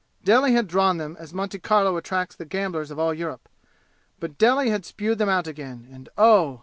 Delhi had drawn them as Monte Carlo attracts the gamblers of all Europe. But Delhi had spewed them out again, and oh!